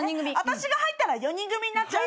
あたしが入ったら４人組になっちゃう。